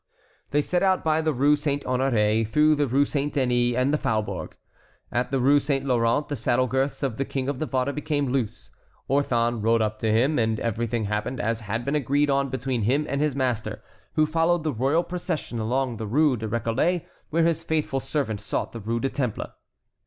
They set out by the Rue Saint Honoré, through the Rue Saint Denis, and the Faubourg. At the Rue Saint Laurent the saddle girths of the King of Navarre became loose. Orthon rode up to him, and everything happened as had been agreed on between him and his master, who followed the royal procession along the Rue des Récollets, where his faithful servant sought the Rue du Temple.